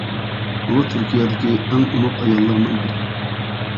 ئۇ تۈركىيە دىكى ئەڭ ئوماق ئاياللارنىڭ بىرى.